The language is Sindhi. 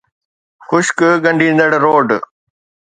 خشڪ ڳنڍيندڙ روڊ